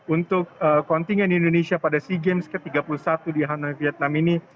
untuk kontingen indonesia pada sea games ke tiga puluh satu di hanoi vietnam ini